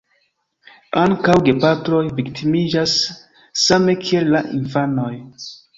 Ankaŭ gepatroj viktimiĝas same kiel la infanoj.